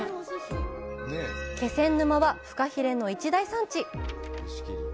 気仙沼は、ふかひれの一大産地！